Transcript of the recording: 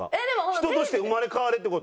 人として生まれ変われ！って事？